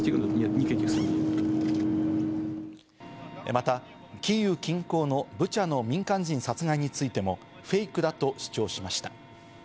また、キーウ近郊のブチャの民間人殺害についてもフェイクだと主張しました。